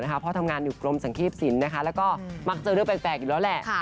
เพราะทำงานอยู่กรมสังคีบสินแล้วก็มักเจอเรื่องแปลกอยู่แล้วแหละ